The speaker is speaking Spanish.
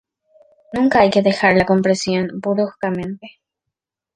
Nunca hay que dejar la compresión bruscamente.